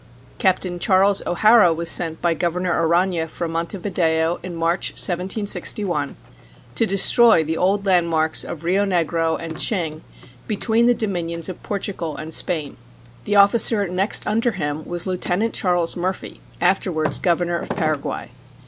Captain Charles O'Hara was sent by Governor Arana from Montevideo in March, 1761, to destroy the old landmarks of Rio Negro and Ching between the dominions of Portugal and Spain. The officer next under him was Lieutenant Charles Murphy, afterwards governor of Paraguay.